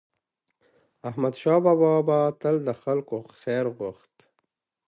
احمدشاه بابا به تل د خلکو خیر غوښت.